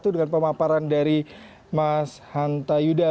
dengan pemaparan dari mas hanta yuda